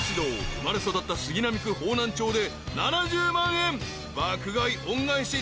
生まれ育った杉並区方南町で７０万円爆買い恩返し